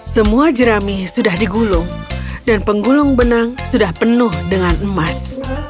semua jerami sudah digulung dan penggulung benang sudah penuh dengan emas